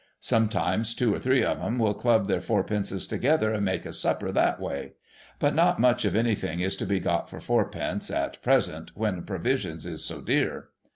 Sometimes two or three of 'em will club their fourpences together, and make a supper that way. But not much of anything is to be got for fourpence, at present, when pro visions is so dear.'